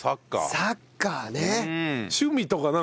サッカーね。